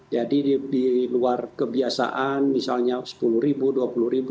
jadi di luar kebiasaan misalnya rp sepuluh rp dua puluh